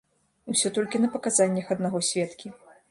Усё толькі на паказаннях аднаго сведкі.